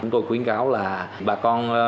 chúng tôi khuyến cáo là bà con